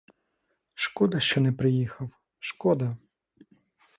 Шкода, що не приїхав! шкода!